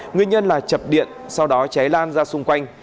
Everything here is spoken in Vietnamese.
nguyên nhân là chập điện sau đó cháy lan ra xung quanh